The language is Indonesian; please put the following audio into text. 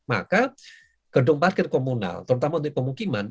maka gedung parkir komunal terutama untuk pemukiman